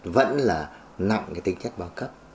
vẫn là nặng cái tính chất báo cấp